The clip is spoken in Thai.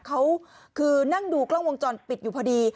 เขาคือนั่งดูกล้องวงจรปิดอยู่พอดี